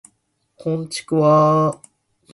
こんちくわ